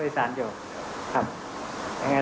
เราจะขอโทษผู้สารเดียว